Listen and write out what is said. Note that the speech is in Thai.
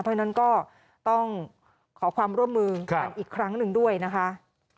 เพราะฉะนั้นก็ต้องขอความร่วมมือกันอีกครั้งหนึ่งด้วยนะคะ